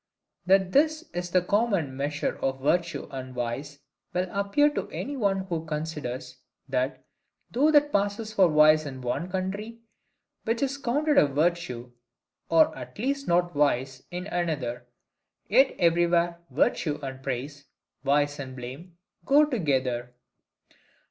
That this is the common MEASURE of virtue and vice, will appear to any one who considers, that, though that passes for vice in one country which is counted a virtue, or at least not vice, in another, yet everywhere virtue and praise, vice and blame, go together.